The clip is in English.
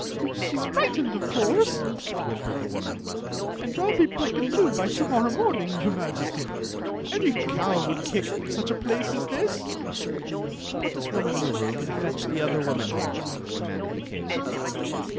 " She 's frightened, of cf»urse," whimpered the woman, "and I '11 be Made and b^ by to morrow morning, your Majcify. mm mdd lade m sii^ll a place at thts." " Piii this woman in the room and fetch the other woman here, " commanded the king.